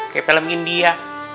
kayak film india